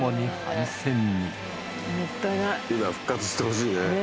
いいな復活してほしいね。